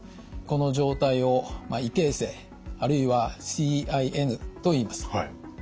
この状態を異形成あるいはＣＩＮといいます。